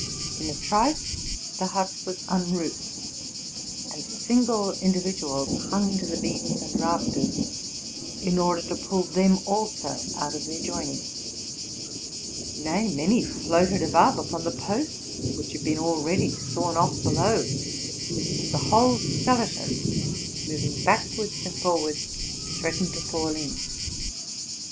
In a trice the hut was unroofed; and single individuals hung to the beams and rafters, in order to pull —* TRUTH AND FICTION them also out of their joinings: nay, many floated above upon the posts which had been already sawn off below; and the whole skeleton, moving backwards and forwards, threat ened to fall in.